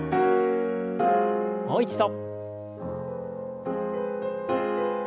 もう一度。